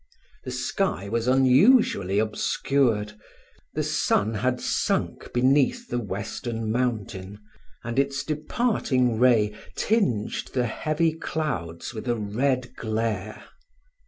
The sky was unusually obscured, the sun had sunk beneath the western mountain, and its departing ray tinged the heavy clouds with a red glare.